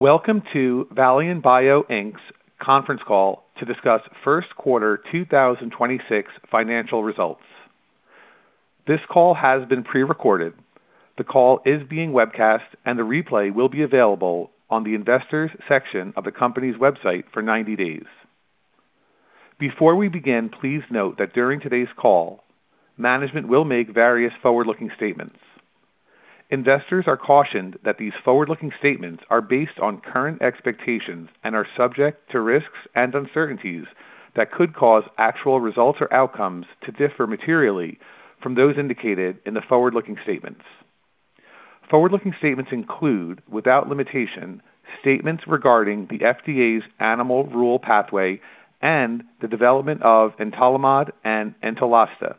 Welcome to Valion Bio Inc's conference call to discuss first quarter 2026 financial results. This call has been pre-recorded. The call is being webcast, and the replay will be available on the investors section of the company's website for 90 days. Before we begin, please note that during today's call, management will make various forward-looking statements. Investors are cautioned that these forward-looking statements are based on current expectations and are subject to risks and uncertainties that could cause actual results or outcomes to differ materially from those indicated in the forward-looking statements. Forward-looking statements include, without limitation, statements regarding the FDA's Animal Rule pathway and the development of entolimod and Entolasta,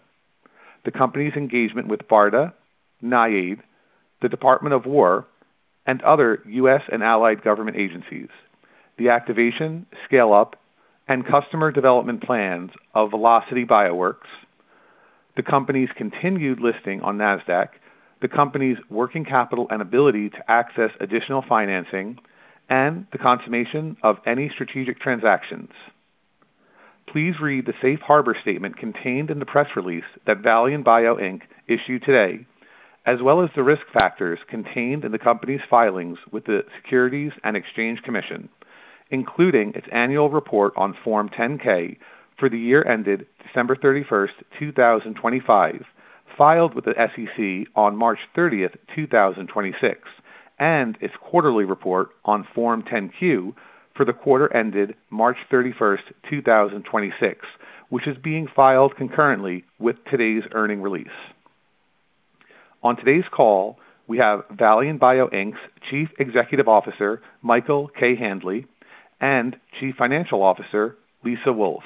the company's engagement with BARDA, NIAID, the Department of War, and other U.S. and allied government agencies, the activation, scale up, and customer development plans of Velocity Bioworks, the company's continued listing on Nasdaq, the company's working capital and ability to access additional financing, and the consummation of any strategic transactions. Please read the safe harbor statement contained in the press release that Valion Bio, Inc. issued today, as well as the risk factors contained in the company's filings with the Securities and Exchange Commission, including its annual report on Form 10-K for the year ended December 31st, 2025, filed with the SEC on March 30th, 2026, and its quarterly report on Form 10-Q for the quarter ended March 31st, 2026, which is being filed concurrently with today's earning release. On today's call, we have Valion Bio, Inc.'s Chief Executive Officer, Michael K. Handley, and Chief Financial Officer, Lisa Wolf.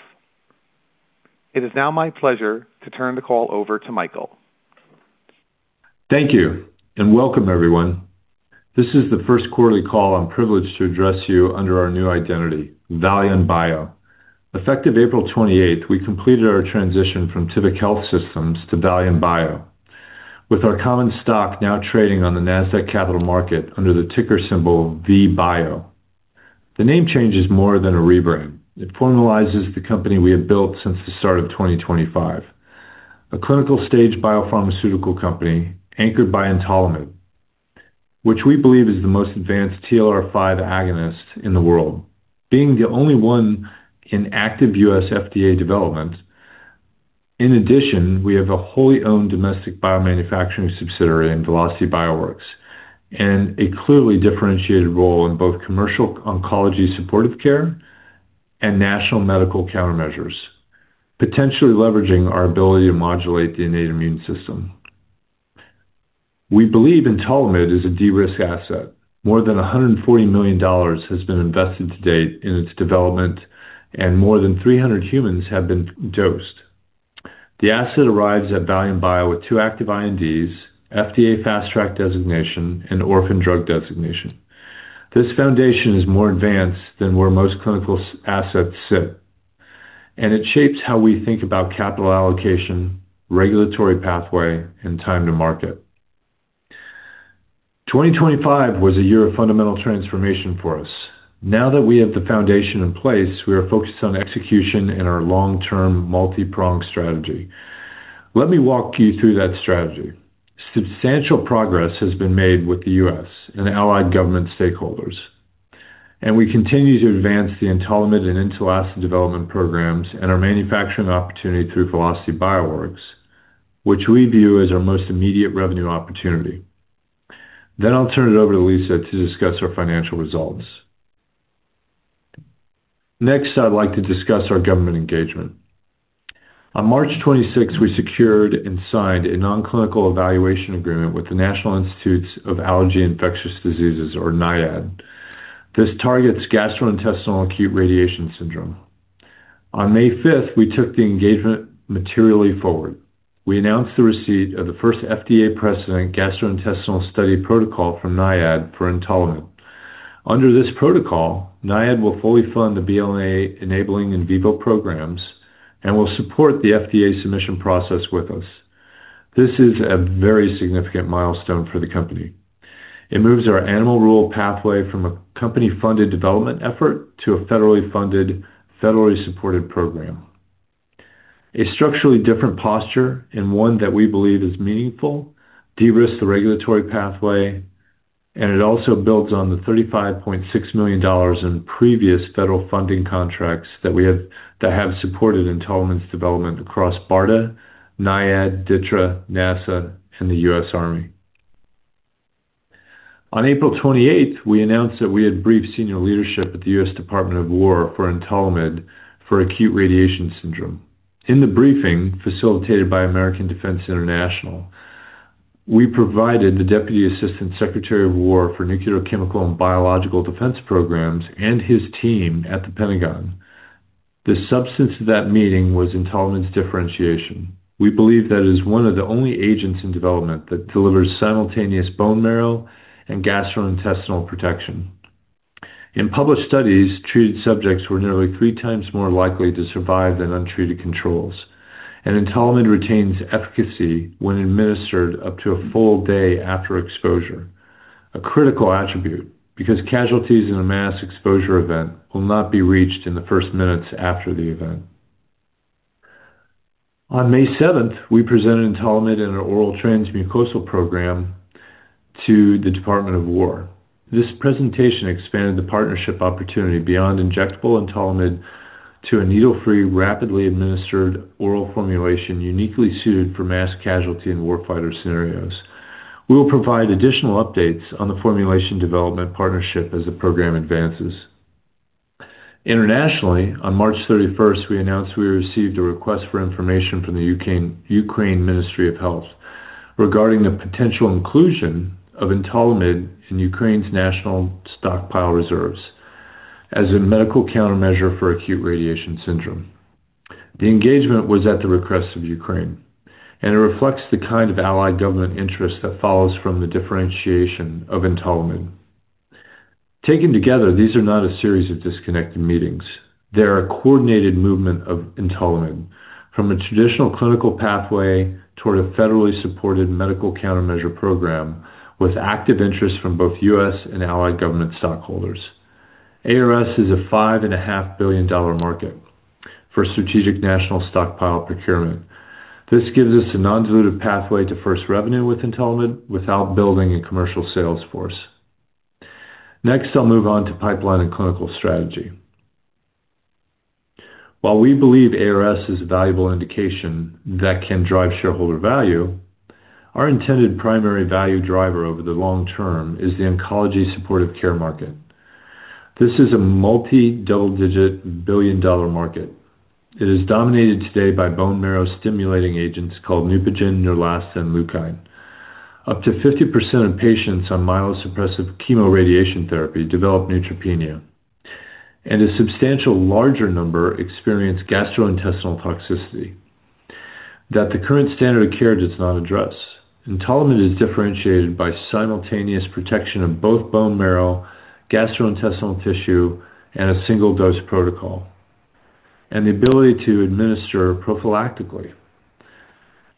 It is now my pleasure to turn the call over to Michael. Thank you. Welcome, everyone. This is the first quarterly call I'm privileged to address you under our new identity, Valion Bio. Effective April 28th, we completed our transition from Tivic Health Systems to Valion Bio, with our common stock now trading on the Nasdaq Capital Market under the ticker symbol VBIO. The name change is more than a rebrand. It formalizes the company we have built since the start of 2025, a clinical stage biopharmaceutical company anchored by entolimod, which we believe is the most advanced TLR5 agonist in the world, being the only one in active U.S. FDA development. In addition, we have a wholly owned domestic biomanufacturing subsidiary in Velocity Bioworks and a clearly differentiated role in both commercial oncology supportive care and national medical countermeasures, potentially leveraging our ability to modulate the innate immune system. We believe entolimod is a de-risk asset. More than $140 million has been invested to date in its development, and more than 300 humans have been dosed. The asset arrives at Valion Bio with two active INDs, FDA Fast Track designation, and Orphan Drug Designation. This foundation is more advanced than where most clinical assets sit, and it shapes how we think about capital allocation, regulatory pathway, and time to market. 2025 was a year of fundamental transformation for us. Now that we have the foundation in place, we are focused on execution in our long-term multi-pronged strategy. Let me walk you through that strategy. Substantial progress has been made with the U.S. and allied government stakeholders, and we continue to advance the entolimod and Entolasta development programs and our manufacturing opportunity through Velocity Bioworks, which we view as our most immediate revenue opportunity. I'll turn it over to Lisa to discuss our financial results. I'd like to discuss our government engagement. On March 26th, we secured and signed a non-clinical evaluation agreement with the National Institute of Allergy and Infectious Diseases, or NIAID. This targets gastrointestinal acute radiation syndrome. On May 5th, we took the engagement materially forward. We announced the receipt of the first FDA precedent gastrointestinal study protocol from NIAID for entolimod. Under this protocol, NIAID will fully fund the BLA enabling in vivo programs and will support the FDA submission process with us. This is a very significant milestone for the company. It moves our Animal Rule pathway from a company-funded development effort to a federally funded, federally supported program, a structurally different posture and one that we believe is meaningful, de-risks the regulatory pathway, and it also builds on the $35.6 million in previous federal funding contracts that have supported Entolimod's development across BARDA, NIAID, DTRA, NASA, and the U.S. Army. On April 28th, we announced that we had briefed senior leadership at the U.S. Department of War for entolimod for acute radiation syndrome. In the briefing, facilitated by American Defense International, we provided the Deputy Assistant Secretary of Defense for Nuclear, Chemical, and Biological Defense Programs and his team at the Pentagon. The substance of that meeting was entolimod's differentiation. We believe that it is one of the only agents in development that delivers simultaneous bone marrow and gastrointestinal protection. In published studies, treated subjects were nearly 3 times more likely to survive than untreated controls. entolimod retains efficacy when administered up to a full day after exposure, a critical attribute because casualties in a mass exposure event will not be reached in the first minutes after the event. On May 7th, we presented entolimod in our oral transmucosal program to the Department of War. This presentation expanded the partnership opportunity beyond injectable entolimod to a needle-free, rapidly administered oral formulation uniquely suited for mass casualty and warfighter scenarios. We will provide additional updates on the formulation development partnership as the program advances. Internationally, on March 31st, we announced we received a request for information from the Ministry of Health of Ukraine regarding the potential inclusion of entolimod in Ukraine's national stockpile reserves as a medical countermeasure for acute radiation syndrome. The engagement was at the request of Ukraine, and it reflects the kind of allied government interest that follows from the differentiation of entolimod. Taken together, these are not a series of disconnected meetings. They are a coordinated movement of entolimod from a traditional clinical pathway toward a federally supported medical countermeasure program with active interest from both U.S. and allied government stockholders. ARS is a $5.5 billion market for strategic national stockpile procurement. This gives us a non-dilutive pathway to first revenue with entolimod without building a commercial sales force. Next, I'll move on to pipeline and clinical strategy. While we believe ARS is a valuable indication that can drive shareholder value, our intended primary value driver over the long term is the oncology supportive care market. This is a multi-double-digit billion-dollar market. It is dominated today by bone marrow stimulating agents called NEUPOGEN, Neulasta, and LEUKINE. Up to 50% of patients on myelosuppressive chemoradiation therapy develop neutropenia, and a substantial larger number experience gastrointestinal toxicity that the current standard of care does not address. entolimod is differentiated by simultaneous protection of both bone marrow, gastrointestinal tissue, and a single-dose protocol, and the ability to administer prophylactically,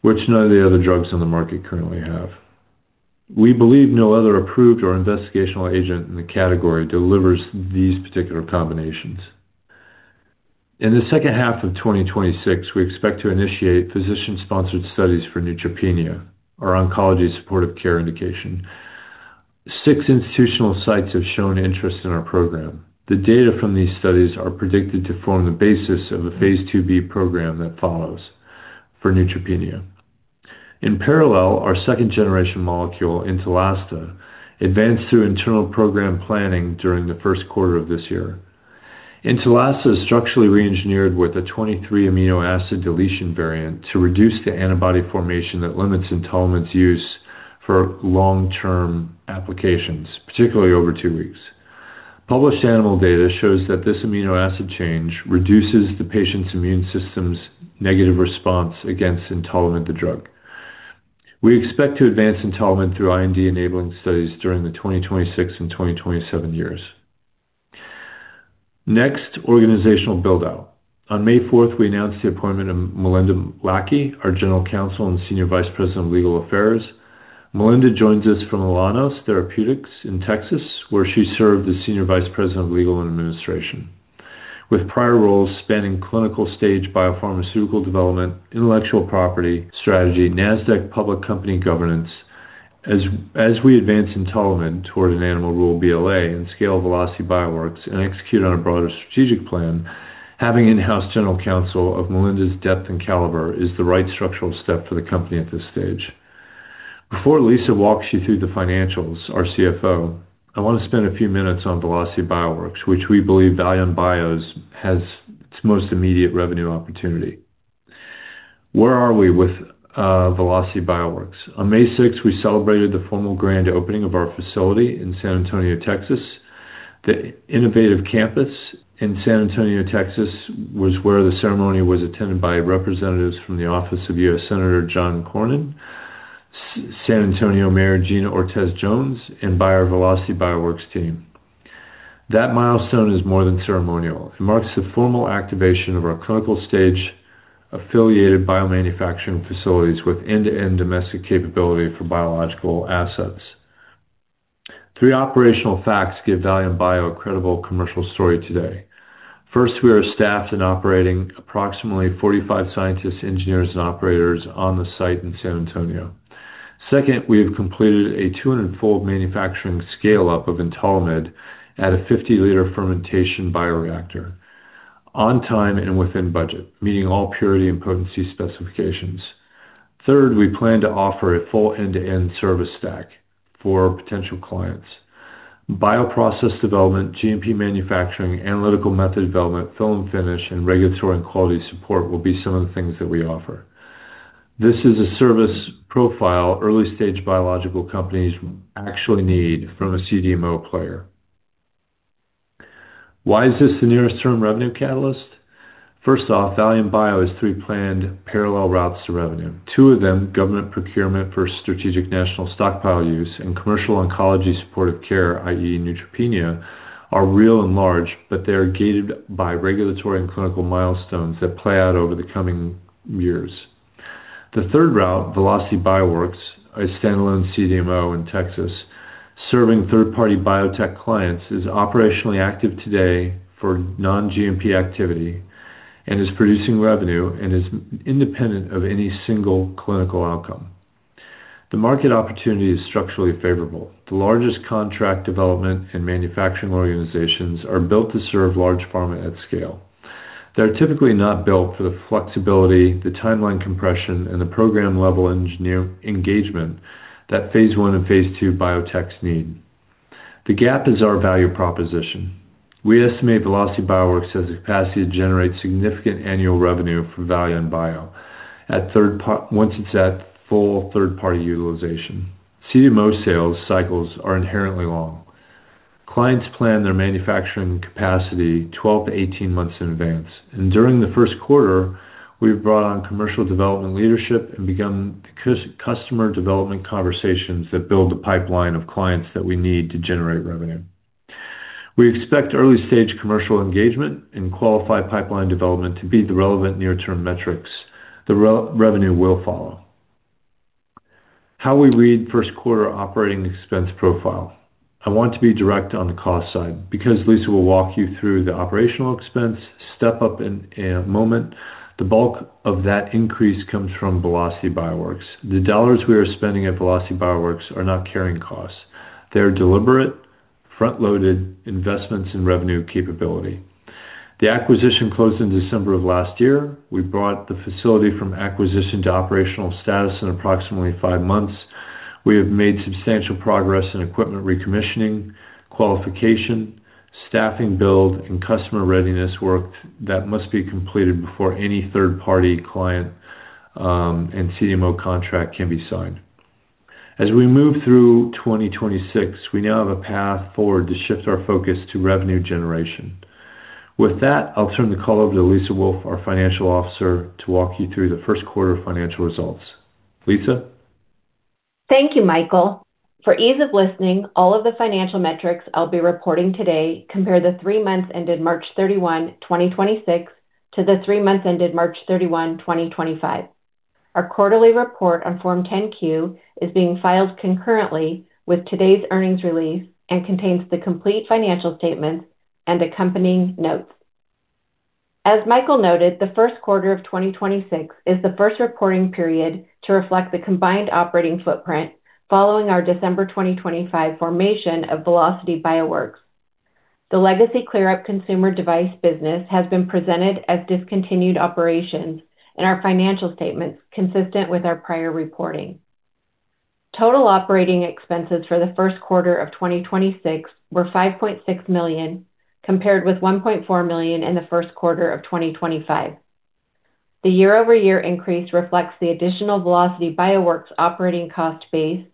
which none of the other drugs on the market currently have. We believe no other approved or investigational agent in the category delivers these particular combinations. In the second half of 2026, we expect to initiate physician-sponsored studies for neutropenia, our oncology supportive care indication. Six institutional sites have shown interest in our program. The data from these studies are predicted to form the basis of a phase IIB program that follows for neutropenia. In parallel, our second-generation molecule, Entolasta, advanced through internal program planning during the first quarter of this year. Entolasta is structurally re-engineered with a 23 amino acid deletion variant to reduce the antibody formation that limits entolimod's use for long-term applications, particularly over two weeks. Published animal data shows that this amino acid change reduces the patient's immune system's negative response against entolimod, the drug. We expect to advance entolimod through IND-enabling studies during the 2026 and 2027 years. Next, organizational build-out. On May 4th, we announced the appointment of Melinda Lackey, our General Counsel and Senior Vice President of Legal Affairs. Melinda joins us from Alaunos Therapeutics in Texas, where she served as Senior Vice President of Legal and Administration. With prior roles spanning clinical stage biopharmaceutical development, intellectual property strategy, Nasdaq public company governance, as we advance entolimod toward an Animal Rule BLA and scale Velocity Bioworks and execute on a broader strategic plan, having in-house General Counsel of Melinda's depth and caliber is the right structural step for the company at this stage. Before Lisa walks you through the financials, our CFO, I want to spend a few minutes on Velocity Bioworks, which we believe Valion Bio has its most immediate revenue opportunity. Where are we with Velocity Bioworks? On May 6th, we celebrated the formal grand opening of our facility in San Antonio, Texas. The innovative campus in San Antonio, Texas was where the ceremony was attended by representatives from the office of U.S. Senator John Cornyn, San Antonio Mayor Gina Ortiz Jones, and by our Velocity Bioworks team. That milestone is more than ceremonial. It marks the formal activation of our clinical stage affiliated biomanufacturing facilities with end-to-end domestic capability for biological assets. Three operational facts give Valion Bio a credible commercial story today. First, we are staffed and operating approximately 45 scientists, engineers, and operators on the site in San Antonio. Second, we have completed a 200-fold manufacturing scale-up of entolimod at a 50-liter fermentation bioreactor on time and within budget, meeting all purity and potency specifications. Third, we plan to offer a full end-to-end service stack for potential clients. Bioprocess development, GMP manufacturing, analytical method development, fill and finish, and regulatory and quality support will be some of the things that we offer. This is a service profile early-stage biological companies actually need from a CDMO player. Why is this the nearest term revenue catalyst? First off, Valion Bio has three planned parallel routes to revenue. Two of them, government procurement for strategic national stockpile use and commercial oncology supportive care, i.e. neutropenia, are real and large, but they are gated by regulatory and clinical milestones that play out over the coming years. The third route, Velocity Bioworks, a standalone CDMO in Texas, serving third-party biotech clients, is operationally active today for non-GMP activity and is producing revenue and is independent of any single clinical outcome. The market opportunity is structurally favorable. The largest contract development and manufacturing organizations are built to serve large pharma at scale. They are typically not built for the flexibility, the timeline compression, and the program-level engineer engagement that phase I and phase II biotechs need. The gap is our value proposition. We estimate Velocity Bioworks has the capacity to generate significant annual revenue for Valion Bio once it's at full third-party utilization. CDMO sales cycles are inherently long. Clients plan their manufacturing capacity 12 to 18 months in advance. During the first quarter, we've brought on commercial development leadership and begun customer development conversations that build the pipeline of clients that we need to generate revenue. We expect early-stage commercial engagement and qualified pipeline development to be the relevant near-term metrics. The revenue will follow. How we lead first quarter operating expense profile. I want to be direct on the cost side because Lisa will walk you through the operational expense step up in a moment. The bulk of that increase comes from Velocity Bioworks. The dollars we are spending at Velocity Bioworks are not carrying costs. They're deliberate, front-loaded investments in revenue capability. The acquisition closed in December of last year. We brought the facility from acquisition to operational status in approximately 5 months. We have made substantial progress in equipment recommissioning, qualification, staffing build, and customer readiness work that must be completed before any third-party client and CDMO contract can be signed. As we move through 2026, we now have a path forward to shift our focus to revenue generation. With that, I'll turn the call over to Lisa Wolf, our financial officer, to walk you through the first quarter financial results. Lisa Wolf? Thank you, Michael. For ease of listening, all of the financial metrics I'll be reporting today compare the 3 months ended March 31, 2026 to the 3 months ended March 31, 2025. Our quarterly report on Form 10-Q is being filed concurrently with today's earnings release and contains the complete financial statements and accompanying notes. As Michael noted, the first quarter of 2026 is the first reporting period to reflect the combined operating footprint following our December 2025 formation of Velocity Bioworks. The legacy ClearUP consumer device business has been presented as discontinued operations in our financial statements consistent with our prior reporting. Total operating expenses for the first quarter of 2026 were $5.6 million, compared with $1.4 million in the first quarter of 2025. The year-over-year increase reflects the additional Velocity Bioworks operating cost base,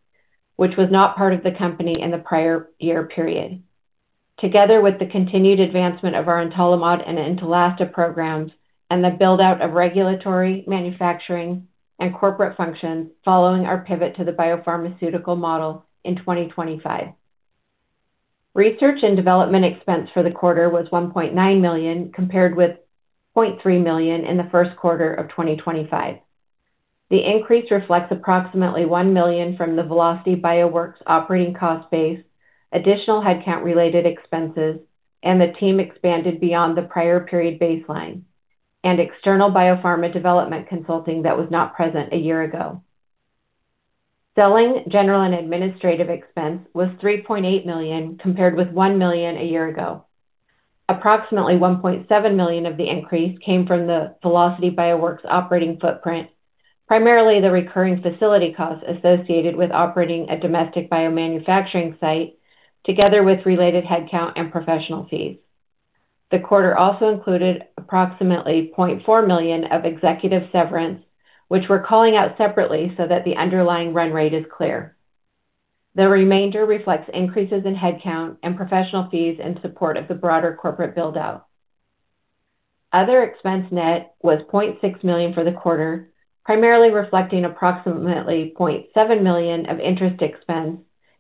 which was not part of the company in the prior year period. Together with the continued advancement of our entolimod and Entolasta programs and the build-out of regulatory, manufacturing, and corporate functions following our pivot to the biopharmaceutical model in 2025. Research and development expense for the quarter was $1.9 million, compared with $0.3 million in the first quarter of 2025. The increase reflects approximately $1 million from the Velocity Bioworks operating cost base, additional headcount-related expenses, and the team expanded beyond the prior period baseline, and external biopharma development consulting that was not present a year ago. Selling general and administrative expense was $3.8 million, compared with $1 million a year ago. Approximately $1.7 million of the increase came from the Velocity Bioworks operating footprint, primarily the recurring facility costs associated with operating a domestic biomanufacturing site, together with related headcount and professional fees. The quarter also included approximately $0.4 million of executive severance, which we're calling out separately so that the underlying run rate is clear. The remainder reflects increases in headcount and professional fees in support of the broader corporate build-out. Other expense net was $0.6 million for the quarter, primarily reflecting approximately $0.7 million of interest expense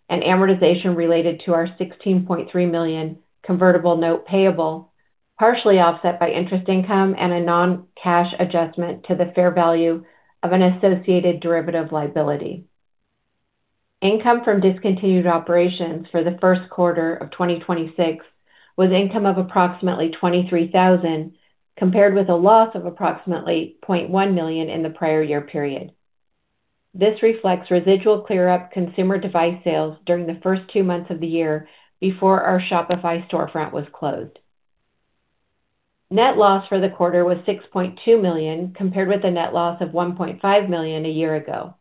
and amortization related to our $16.3 million convertible note payable, partially offset by interest income and a non-cash adjustment to the fair value of an associated derivative liability. Income from discontinued operations for the first quarter of 2026 was income of approximately $23,000, compared with a loss of approximately $0.1 million in the prior year period. This reflects residual ClearUP consumer device sales during the first 2 months of the year before our Shopify storefront was closed. Net loss for the quarter was $6.2 million, compared with a net loss of $1.5 million a year ago.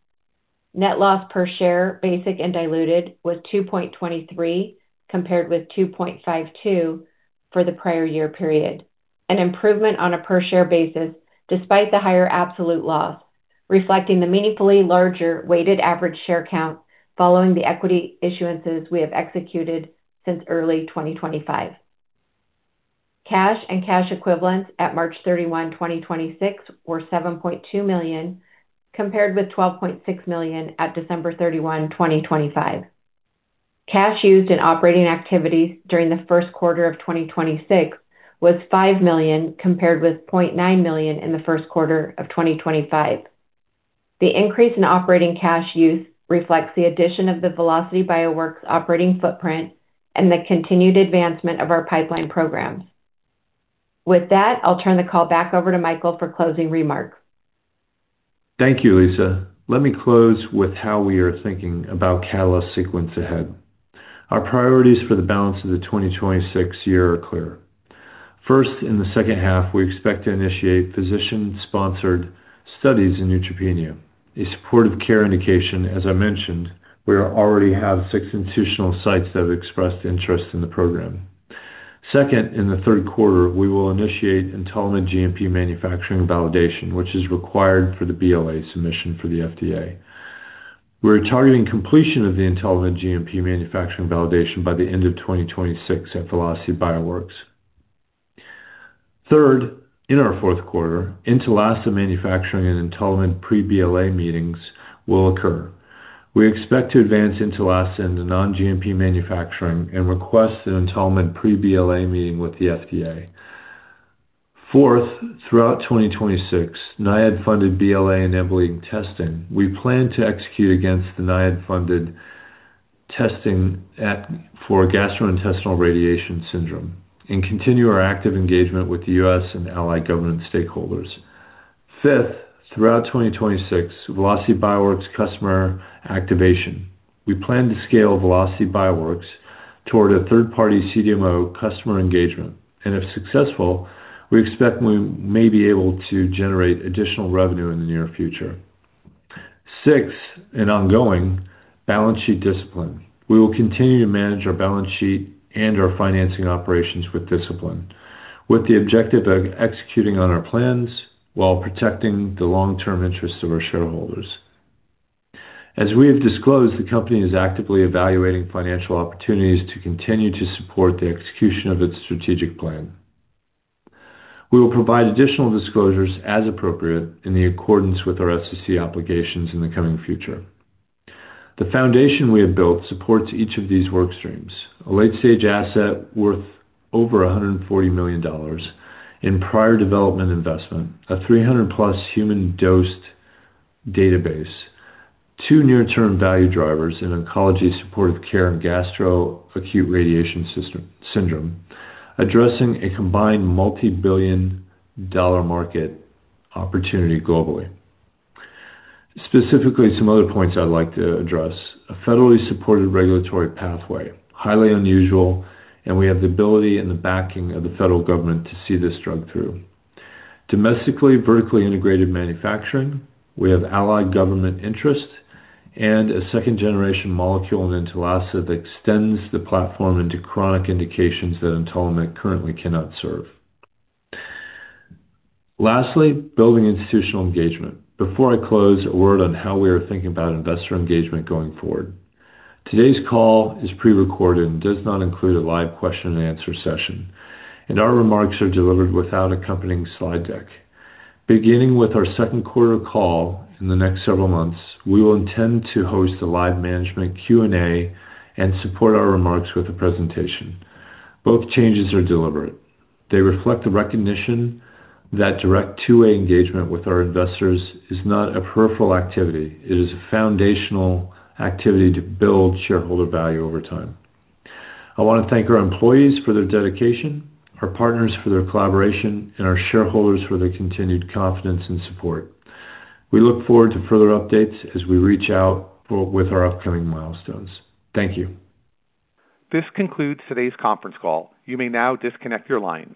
Net loss per share, basic and diluted, was $2.23, compared with $2.52 for the prior year period, an improvement on a per-share basis despite the higher absolute loss, reflecting the meaningfully larger weighted average share count following the equity issuances we have executed since early 2025. Cash and cash equivalents at March 31, 2026 were $7.2 million, compared with $12.6 million at December 31, 2025. Cash used in operating activities during the first quarter of 2026 was $5 million, compared with $0.9 million in the first quarter of 2025. The increase in operating cash use reflects the addition of the Velocity Bioworks operating footprint and the continued advancement of our pipeline programs. With that, I'll turn the call back over to Michael for closing remarks. Thank you, Lisa. Let me close with how we are thinking about catalyst sequence ahead. Our priorities for the balance of the 2026 year are clear. First, in the second half, we expect to initiate physician-sponsored studies in neutropenia, a supportive care indication, as I mentioned. We already have six institutional sites that have expressed interest in the program. Second, in the third quarter, we will initiate entolimod GMP manufacturing validation, which is required for the BLA submission for the FDA. We're targeting completion of the entolimod GMP manufacturing validation by the end of 2026 at Velocity Bioworks. Third, in our fourth quarter, Entolasta manufacturing and entolimod pre-BLA meetings will occur. We expect to advance Entolasta into non-GMP manufacturing and request an entolimod pre-BLA meeting with the FDA. Fourth, throughout 2026, NIAID-funded BLA enabling testing. We plan to execute against the NIAID-funded testing for gastrointestinal radiation syndrome and continue our active engagement with the U.S. and allied government stakeholders. Throughout 2026, Velocity Bioworks customer activation. We plan to scale Velocity Bioworks toward a third-party CDMO customer engagement, and if successful, we expect we may be able to generate additional revenue in the near future. Ongoing, balance sheet discipline. We will continue to manage our balance sheet and our financing operations with discipline, with the objective of executing on our plans while protecting the long-term interests of our shareholders. As we have disclosed, the company is actively evaluating financial opportunities to continue to support the execution of its strategic plan. We will provide additional disclosures as appropriate in the accordance with our SEC obligations in the coming future. The foundation we have built supports each of these work streams. A late-stage asset worth over $140 million in prior development investment, a 300-plus human dosed database, 2 near-term value drivers in oncology supportive care and gastro acute radiation syndrome, addressing a combined multi-billion dollar market opportunity globally. Specifically, some other points I'd like to address. A federally supported regulatory pathway, highly unusual. We have the ability and the backing of the federal government to see this drug through. Domestically vertically integrated manufacturing. We have allied government interest and a second-generation molecule in Entolasta that extends the platform into chronic indications that entolimod currently cannot serve. Lastly, building institutional engagement. Before I close, a word on how we are thinking about investor engagement going forward. Today's call is prerecorded and does not include a live question and answer session. Our remarks are delivered without accompanying slide deck. Beginning with our second quarter call in the next several months, we will intend to host a live management Q&A and support our remarks with a presentation. Both changes are deliberate. They reflect the recognition that direct two-way engagement with our investors is not a peripheral activity. It is a foundational activity to build shareholder value over time. I wanna thank our employees for their dedication, our partners for their collaboration, and our shareholders for their continued confidence and support. We look forward to further updates as we reach out with our upcoming milestones. Thank you. This concludes today's conference call. You may now disconnect your line.